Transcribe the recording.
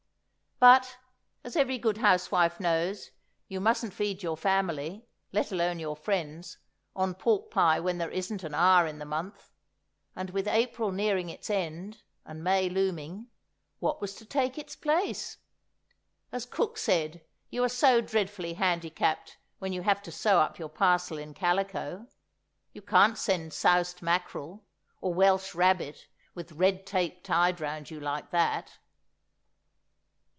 But, as every good housewife knows, you mustn't feed your family—let alone your friends—on pork pie when there isn't an R in the month; and with April nearing its end, and May looming, what was to take its place? As cook said, you are so dreadfully handicapped when you have to sew up your parcel in calico; you can't send soused mackerel, or Welsh rabbit with Red Tape tied round you like that!